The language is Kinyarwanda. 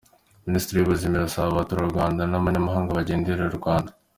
Minisiteri y’Ubuzima irasaba Abaturarwanda n’abanyamahanga bagenderera u Rwanda.